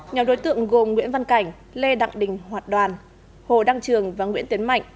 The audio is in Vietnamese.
nhóm đối tượng gồm nguyễn văn cảnh lê đặng đình hoạt đoàn hồ đăng trường và nguyễn tiến mạnh